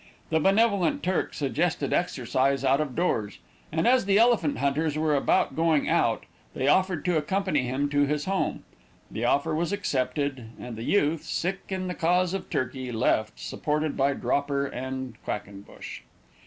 The benevolent Turk suggested exercise out of doors, and, as the elephant hunters were about going out, they offered to accompany him to his home. The offer was accepted, and the youth, sick in the cause of Turkey, left, supported by Dropper and Quackenbush.